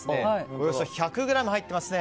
およそ１００ｇ入ってますね。